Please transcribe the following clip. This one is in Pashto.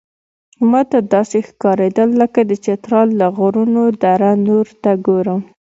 ماته داسې ښکارېدل لکه د چترال له غرونو دره نور ته ګورم.